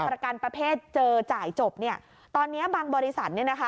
ประกันประเภทเจอจ่ายจบเนี่ยตอนเนี้ยบางบริษัทเนี่ยนะคะ